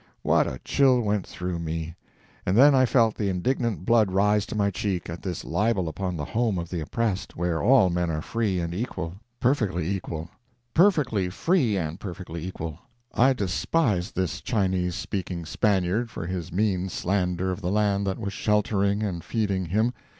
What a chill went through me! And then I felt the indignant blood rise to my cheek at this libel upon the Home of the Oppressed, where all men are free and equal perfectly equal perfectly free and perfectly equal. I despised this Chinese speaking Spaniard for his mean slander of the land that was sheltering and feeding him.